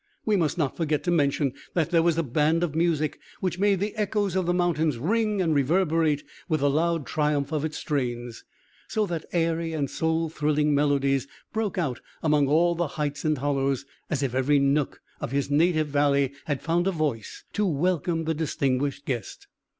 We must not forget to mention that there was a band of music, which made the echoes of the mountains ring and reverberate with the loud triumph of its strains; so that airy and soul thrilling melodies broke out among all the heights and hollows, as if every nook of his native valley had found a voice to welcome the distinguished guest.